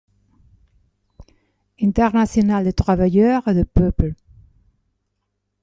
Internationale des travailleurs et des peuples.